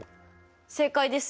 正解ですよ！